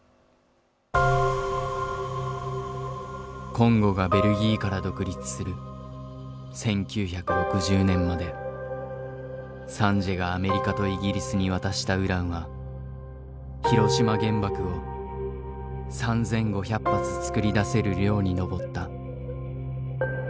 コンゴがベルギーから独立する１９６０年までサンジエがアメリカとイギリスに渡したウランは広島原爆を３，５００発作り出せる量に上った。